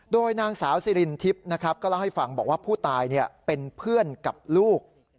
โดยนางสาวสิรินทิพย์นะครับก็เล่าให้ฟังบอกว่าผู้ตายเป็นเพื่อนกับลูก